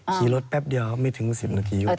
ขี่รถแป๊บเดียวไม่ถึง๑๐นาที